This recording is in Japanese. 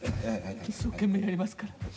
一生懸命やります。